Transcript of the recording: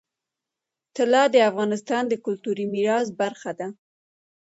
طلا د افغانستان د کلتوري میراث برخه ده.